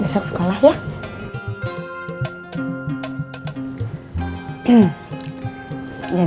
mak besok sekolah ya